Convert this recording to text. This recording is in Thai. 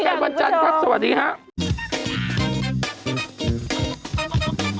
กันวันจันทร์ครับสวัสดีครับ